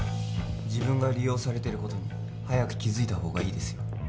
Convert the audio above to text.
自分が利用されてることに早く気づいた方がいいですよ